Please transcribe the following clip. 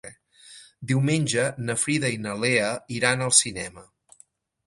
Diumenge na Frida i na Lea iran al cinema.